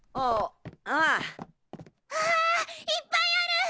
あああ。わいっぱいある。